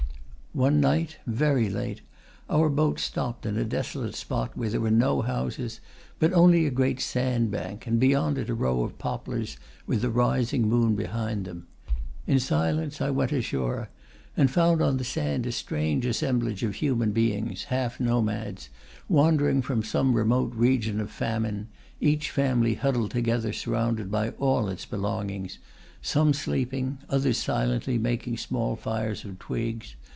One night, very late, our boat stopped in a desolate spot where there were no houses, but only a great sandbank, and beyond it a row of poplars with the rising moon behind them. In silence I went ashore, and found on the sand a strange assemblage of human beings, half nomads, wandering from some remote region of famine, each family huddled together surrounded by all its belongings, some sleeping, others silently making small fires of twigs.